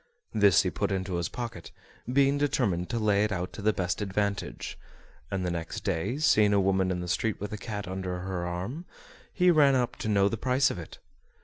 This he put into his pocket, being determined to lay it out to the best advantage; and the next day, seeing a woman in the street with a cat under her arm, he ran up to know the price of it.